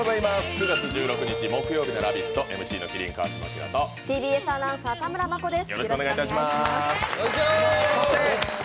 ９月１６日木曜日の「ラヴィット！」、ＭＣの麒麟・川島明とＴＢＳアナウンサー田村真子です。